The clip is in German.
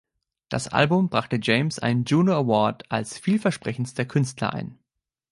Das Album brachte James einen Juno Award als „Vielversprechendster Künstler“ ein.